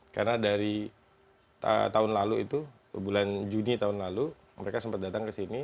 karena dari tahun lalu itu bulan juni tahun lalu mereka sempat datang ke sini